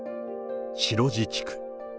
白地地区。